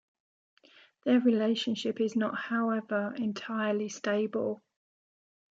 Their relationship is not, however, entirely stable.